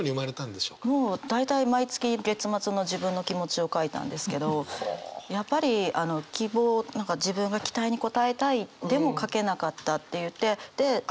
もう大体毎月月末の自分の気持ちを書いたんですけどやっぱりあの希望何か自分が期待に応えたいでも書けなかったっていってで謝るのかもう少し頑張るのか。